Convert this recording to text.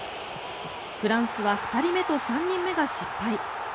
フランスは２人目と３人目が失敗。